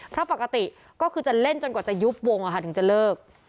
เพราะปกติก็คือจะเล่นจนกว่าจะยุบวงถึงจะเลิก